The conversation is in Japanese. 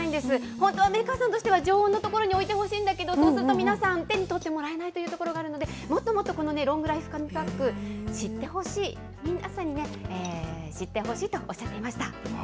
本当はメーカーさんとしては常温の所に置いてほしいんだけど、そうすると皆さん、手に取ってもらえないというところがあるので、もっともっとロングライフ紙パック知ってほしい、皆さんにね、知ってほしいとおっしゃっていました。